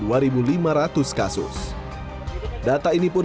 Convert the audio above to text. datak seperti ini diklarifikasi oleh pemerintah kota semarang